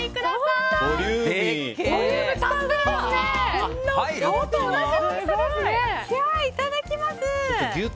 いただきます！